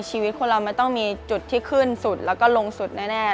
ชีวิตคนเราไม่ต้องมีจุดที่ขึ้นสุดแล้วก็ลงสุดแน่